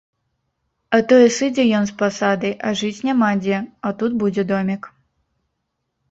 А тое сыдзе ён з пасады, а жыць няма дзе, а тут будзе домік.